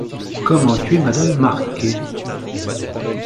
Comment tuer Madame Marquet…